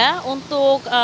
selamat siang yuda